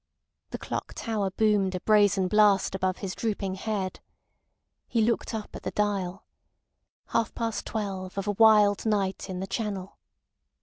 The clock tower boomed a brazen blast above his drooping head. He looked up at the dial. ... Half past twelve of a wild night in the Channel.